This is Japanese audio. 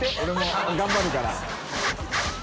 兇頑張るから。